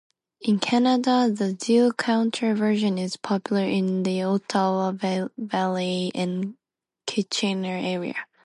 In Canada, the deli-counter version is popular in the Ottawa Valley and Kitchener area.